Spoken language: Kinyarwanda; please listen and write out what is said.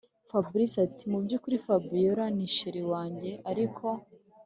fabrice ati mubyukuri fabiora ni sheri wajye ariko